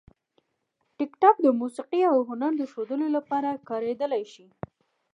ټیکټاک د موسیقي او هنر د ښودلو لپاره کارېدلی شي.